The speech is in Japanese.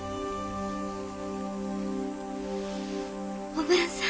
おぶんさん。